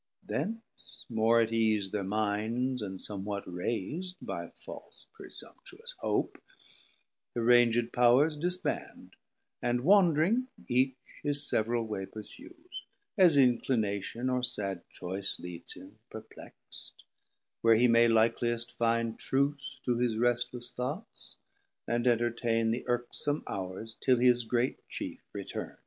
520 Thence more at ease thir minds and somwhat rais'd By false presumptuous hope, the ranged powers Disband, and wandring, each his several way Pursues, as inclination or sad choice Leads him perplext, where he may likeliest find Truce to his restless thoughts, and entertain The irksome hours, till his great Chief return.